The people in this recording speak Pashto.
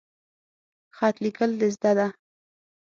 خط لیکل د زده ده؟